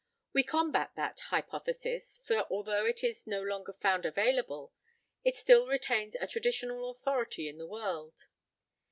We combat that hypothesis, for although it is no longer found available, it still retains a traditional authority in the world.